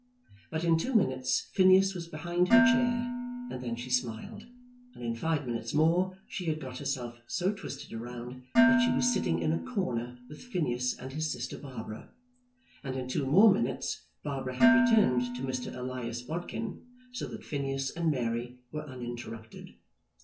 But in two minutes Phineas was behind her chair, and then she smiled; and in five minutes more she had got herself so twisted round that she was sitting in a corner with Phineas and his sister Barbara; and in two more minutes Barbara had returned to Mr. Elias Bodkin, so that Phineas and Mary were uninterrupted.